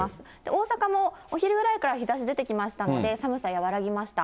大阪もお昼ぐらいから日ざし出てきましたので、寒さ和らぎました。